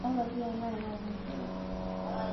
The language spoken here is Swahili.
wanamuunga mkono bagbo na vile vile ghana